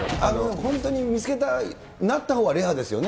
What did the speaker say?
本当に見つけた、なったほうはレアですよね。